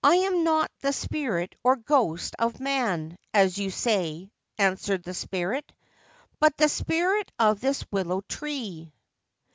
6 1 am not the spirit or ghost of man, as you say,' answered the spirit, ' but the spirit of this willow tree.'